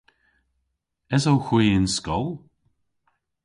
Esowgh hwi y'n skol?